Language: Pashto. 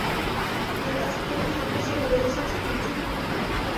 پایتخت کې له خلکو سره دا احساس موجود وو.